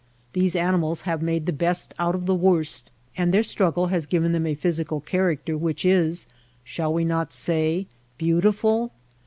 These animals have made the best out of the worst, and their struggle has given them a physical character which is, shall we not say, beautiful